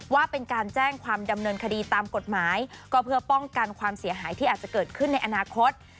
ว่าเป็นการแจ้งความดำเนินคดีตามกฎหมายก็เพื่อป้องกันความเสียหายที่อาจจะเกิดขึ้นในอนาคต